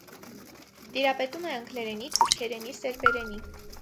Տիրապետում է անգլերենի, թուրքերենի, սերբերենի։